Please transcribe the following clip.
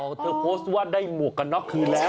เธอโพสต์ว่าได้หมวกกันน็อกคืนแล้ว